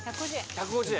１５０円。